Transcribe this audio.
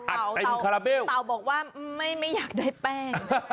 อัดเต็มคาราเบลเต่าบอกว่าไม่อยากได้แป้ง